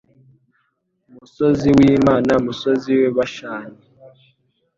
Musozi w’Imana musozi w’i Bashani